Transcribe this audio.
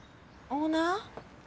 オーナー？